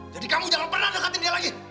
jadi kamu jangan pernah dekatin dia lagi